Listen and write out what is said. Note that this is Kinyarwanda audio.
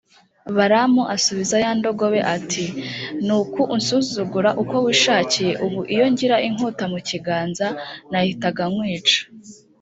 balamu asubiza ya ndogobe, ati «ni uko unsuzugura uko wishakiye! ubu iyo ngira inkota mu kiganza, nahitaga nkwica!»